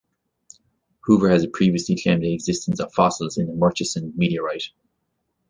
Hoover has previously claimed the existence of fossils in the Murchison meteorite.